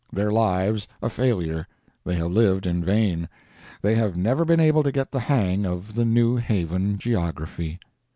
Their lives a failure—they have lived in vain—they have never been able to get the hang of the New Haven geography.